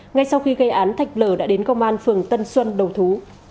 ngay sau khi gây án thạch lở đã đến công an phường tân xuân đầu thú